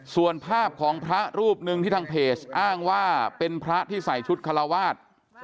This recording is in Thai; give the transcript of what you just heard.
ส่วนภาพของพระรูปหนึ่งที่ทางเพจอ้างว่าเป็นพระที่ใส่ชุดคาราวาส